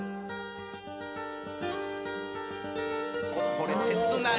これ切ないな。